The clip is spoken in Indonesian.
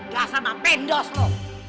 gak sama pendos lu